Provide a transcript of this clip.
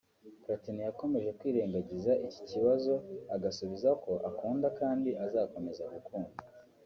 Platini yakomeje kwirengagiza iki kibazo agasubiza ko akunda kandi azakomeza gukunda